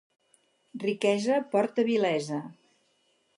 Riquesa porta vilesa.